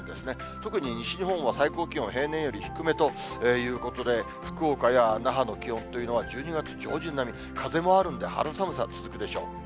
特に西日本は最高気温、平年より低めということで、福岡や那覇の気温というのは１２月上旬並み、風もあるんで肌寒さ続くでしょう。